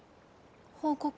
報告？